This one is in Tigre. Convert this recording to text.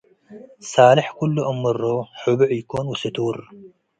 ሳልሕ ክሉ አምሮ - ሕቡዕ ኢኮን ወስቱር